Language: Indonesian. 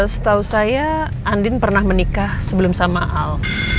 setahu saya andin pernah menikah sebelum sama al